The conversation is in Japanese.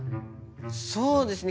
そうですね。